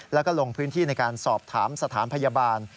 แล้วก็ลงพื้นที่ในการสอบถามสถานพยาบาล